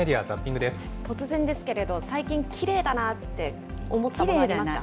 突然ですけれど、最近、きれいだなって思ったものありますか？